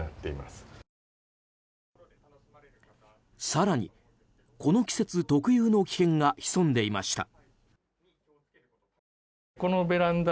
更に、この季節特有の危険が潜んでいました。